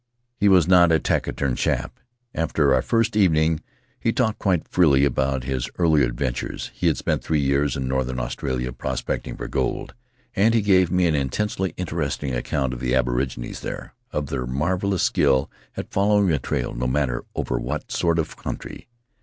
He was not a taciturn chap. After our first evening he talked quite freely about his earlier adventures. He had spent three years in northern Australia, pros pecting for gold, and he gave me an intensely interesting account of the aborigines there — of their marvelous skill at following a trail, no matter over what sort of country.